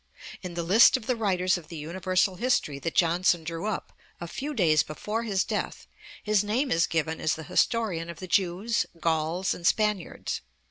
In the list of the writers of the Universal History that Johnson drew up a few days before his death his name is given as the historian of the Jews, Gauls, and Spaniards (post, November, 1784).